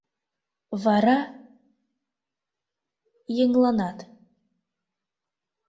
Вара... еҥланат.